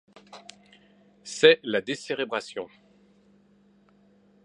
C'est la décérébration.